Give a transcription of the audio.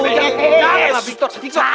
jangan lah victor